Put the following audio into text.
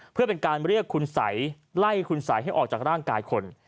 เพื่อเป็นการเรียกคุณสัยไล่คุณสัยให้ออกจากร่างกายคน